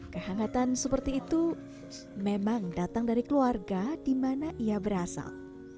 kehangatan seperti itu memang datang dari keluarga di mana ia berasal